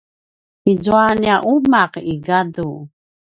izua nia quma i gadu